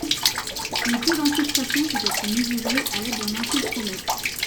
Le taux d'infiltration peut être mesurée à l'aide d'un infiltromètre.